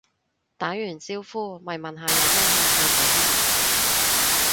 打完招呼咪問下有咩興趣嗰啲